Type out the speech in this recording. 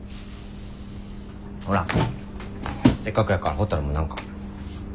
ほらせっかくやからほたるも何か。